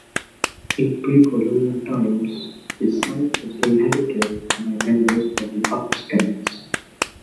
In pre-Colonial times, the site was inhabited by members of the Upper Skagits.